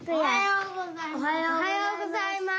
おはようございます！